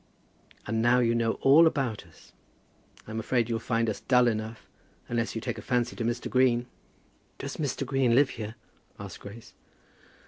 And now you know all about us. I'm afraid you'll find us dull enough, unless you can take a fancy to Mr. Green." "Does Mr. Green live here?" asked Grace.